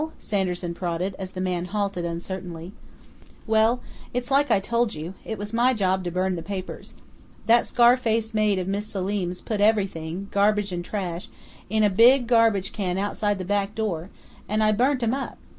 Sanderson prodded, as the man halted uncertainly. "Well, it's like I told you, it was my job to burn the papers. That scar face maid of Mis' Selim's put everything garbage and trash in a big garbage can outside the back door, and I burnt 'em up.